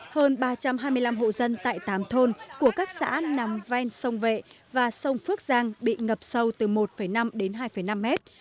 hơn ba trăm hai mươi năm hộ dân tại tám thôn của các xã nằm ven sông vệ và sông phước giang bị ngập sâu từ một năm đến hai năm mét